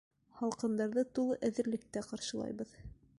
Һалҡындарҙы тулы әҙерлектә ҡаршылайбыҙ.